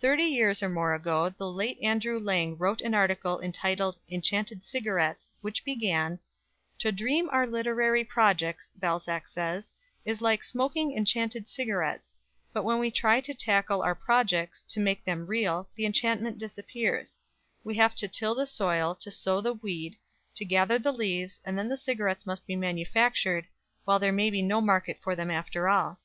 Thirty years or more ago the late Andrew Lang wrote an article entitled "Enchanted Cigarettes," which began "To dream our literary projects, Balzac says, is like 'smoking enchanted cigarettes,' but when we try to tackle our projects, to make them real, the enchantment disappears we have to till the soil, to sow the weed, to gather the leaves, and then the cigarettes must be manufactured, while there may be no market for them after all.